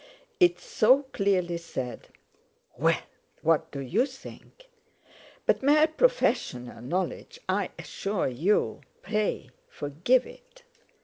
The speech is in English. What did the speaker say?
It so clearly said: "Well, what do you think? But mere professional knowledge, I assure you—pray forgive it!"